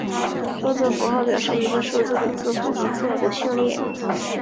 数字符号表示一个数字的字符和字符序列。